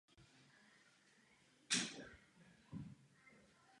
Rozdělení legislativních změn vyústilo v proces, který postrádá transparentnost.